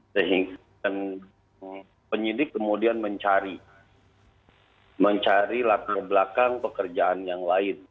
sehingga penyidik kemudian mencari latar belakang pekerjaan yang lain